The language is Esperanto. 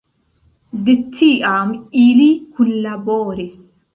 De tiam ili kunlaboris.